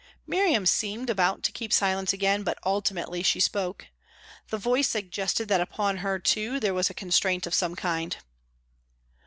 Miriam seemed about to keep silence again, but ultimately she spoke. The voice suggested that upon her too there was a constraint of some kind.